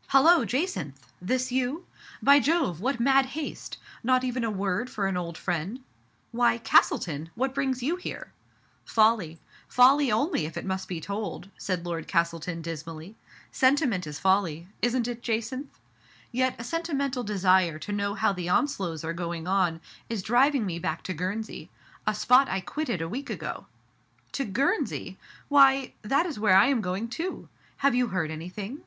" Hullo, Jacynth ! This you ? By Jove ! what mad haste. Not even a word for an old friend ?'*" Why, Castleton ! What brings you here ?*'" Folly ! Folly only, if it must be told," said Lord Castleton, dismally. *' Sentiment is folly ; isn't it, Jacynth ? Yet a sentimental desire to know how the Onslows are going on is driving me back to Guernsey — a spot I quitted a week ago.'' " To Guernsey ! Why, that is where I am going too. Have you heard anything